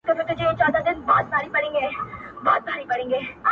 ورته ښکاري ځان له نورو چي ښاغلی،